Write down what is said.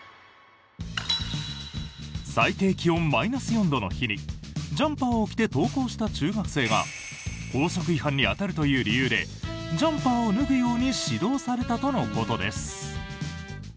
最低気温マイナス４度の日にジャンパーを着て登校した中学生が校則違反に当たるという理由でジャンパーを脱ぐように指導されたとのことです。